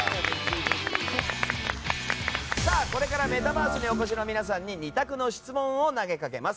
これからメタバースにお越しの皆さんに２択の質問を投げかけます。